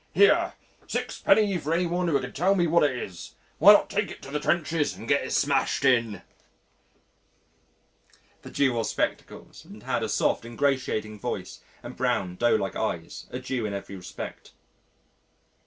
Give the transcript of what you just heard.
Here! 6d. for any one who can tell me what it is. Why not take it to the trenches and get it smashed in?" The Jew wore spectacles and had a soft ingratiating voice and brown doe like eyes a Jew in every respect.